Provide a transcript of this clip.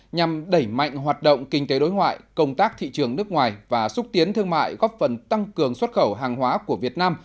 nhằm đẩy mạnh hoạt động kinh tế đối ngoại công tác thị trường nước ngoài và xúc tiến thương mại góp phần tăng cường xuất khẩu hàng hóa của việt nam